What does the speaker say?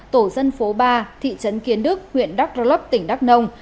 tổ dân phố ba thị trấn kiến đức huyện đắk rơ lấp tỉnh đắk nông